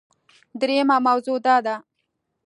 دریمه موضوع دا ده